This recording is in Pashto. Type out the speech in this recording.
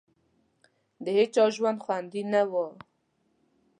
د هېچا ژوند خوندي نه وو.